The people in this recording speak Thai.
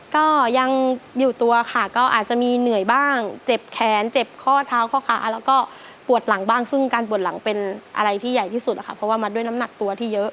ก็ยังอยู่ตัวค่ะก็อาจจะมีเหนื่อยบ้างเจ็บแขนเจ็บข้อเท้าข้อขาแล้วก็ปวดหลังบ้างซึ่งการปวดหลังเป็นอะไรที่ใหญ่ที่สุดนะคะเพราะว่ามาด้วยน้ำหนักตัวที่เยอะ